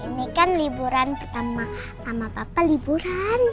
ini kan liburan pertama sama papa liburan